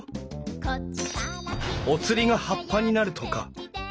お釣りが葉っぱになるとか？